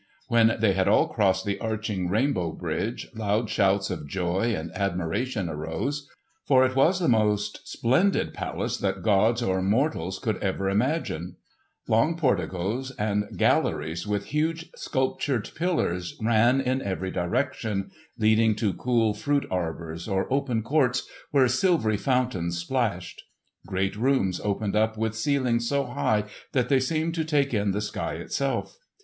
When they had all crossed the arching rainbow bridge, loud shouts of joy and admiration arose; for it was the most splendid palace that gods or mortals could ever imagine. Long porticos and galleries with huge sculptured pillars ran in every direction, leading to cool fruit arbours, or open courts where silvery fountains splashed. Great rooms opened up with ceilings so high that they seemed to take in the sky itself.